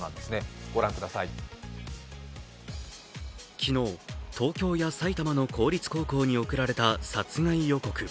昨日、東京や埼玉の公立高校に送られた殺害予告。